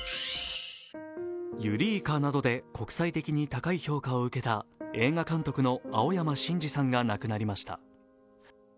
「ＥＵＲＥＫＡ」などで国際的に高い評価を受けた映画監督の青山真治さんが亡くなりました。